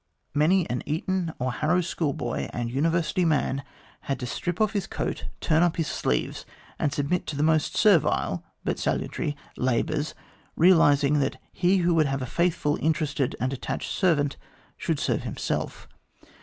Many an Eton or Harrow schoolboy and University man had to strip off his coat, turn up his sleeves, and submit to the most servile but salutary labours, realising that he who would have a faithful, interested, and attached servant should serve himself.